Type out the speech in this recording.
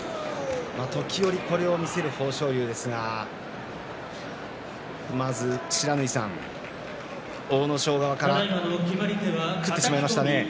時折これを見せる豊昇龍ですがまず不知火さん、阿武咲側から食ってしまいましたね。